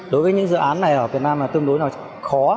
đối với những dự án này ở việt nam là tương đối là khó